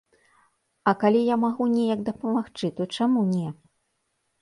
А калі я магу неяк дапамагчы, то чаму не?